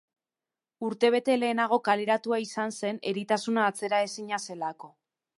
Urtebete lehenago kaleratua izan zen eritasuna atzeraezina zelako.